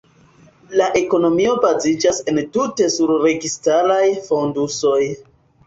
La ekonomio baziĝas entute sur registaraj fondusoj.